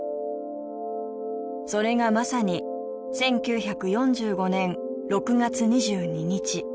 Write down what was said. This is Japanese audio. それがまさに１９４５年６月２２日。